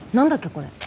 これ。